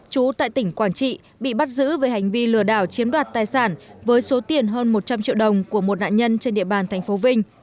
chú tại tỉnh quảng trị bị bắt giữ về hành vi lừa đảo chiếm đoạt tài sản với số tiền hơn một trăm linh triệu đồng của một nạn nhân trên địa bàn tp vinh